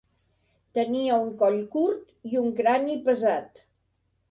Tenia un coll curt, i un crani pesat.